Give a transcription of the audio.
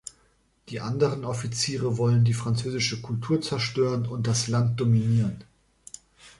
Die anderen Offiziere wollen die französische Kultur zerstören und das Land dominieren.